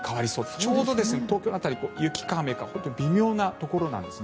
ちょうど東京の辺り雪か雨か微妙なところなんです。